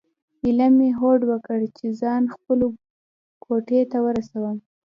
ایله مې هوډ وکړ چې ځان خپلو کوټې ته ورسوم.